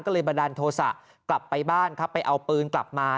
ก็เลยบันดาลโทษะกลับไปบ้านครับไปเอาปืนกลับมา